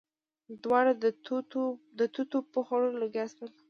دواړه د توتو په خوړلو لګيا شول.